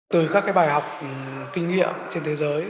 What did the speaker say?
từ các bài học kinh nghiệm trên thế giới